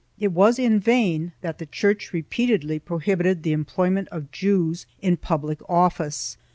It was in vain that the Church repeatedly prohibited the employment of Jews in public office.